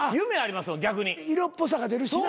色っぽさが出るしな。